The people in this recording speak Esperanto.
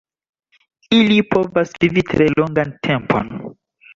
Ili povas vivi tre longan tempon.